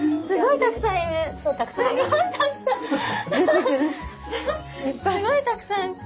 すごいたくさん。